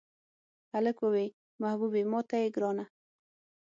هلک ووې محبوبې ماته یې ګرانه.